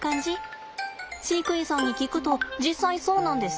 飼育員さんに聞くと実際そうなんですって。